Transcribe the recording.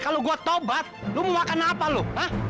kalau gua tobat lu mau makan apa lu